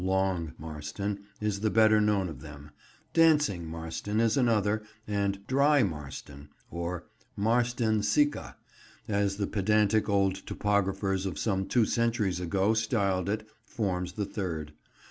"Long" Marston is the better known of them; "Dancing" Marston is another, and "Dry" Marston—or "Marston Sicca," as the pedantic old topographers of some two centuries ago styled it forms the third.